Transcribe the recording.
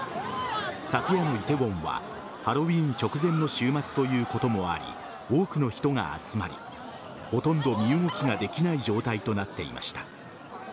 昨夜の梨泰院はハロウィーン直前の週末ということもあり多くの人が集まりほとんど身動きができない状態となっていました。